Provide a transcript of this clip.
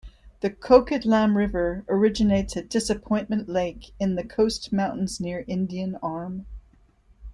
The Coquitlam River originates at Disappointment Lake in the Coast Mountains near Indian Arm.